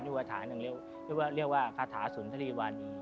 อีกกว่าท่านเรียกกว่าคาฐาศูนย์ธรีปวดี